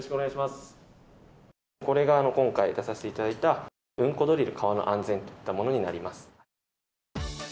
これが今回、出させていただいた、うんこドリル川の安全といったものになります。